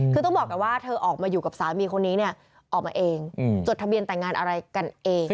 คือต้องบอกก่อนว่าเธอออกมาอยู่กับสามีคนนี้เนี่ยออกมาเองจดทะเบียนแต่งงานอะไรกันเอง